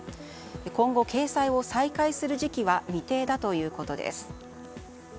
今後、掲載を再開する時期は未定だということです。